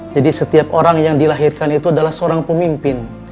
jadi setiap orang yang dilahirkan itu adalah seorang pemimpin